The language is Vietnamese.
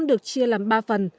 được chia làm ba phần